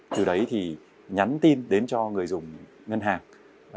từ đấy thì nhắn tin đến cho người dùng ngân hàng